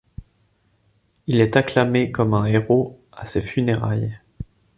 Il est acclamé comme un héros à ses funérailles.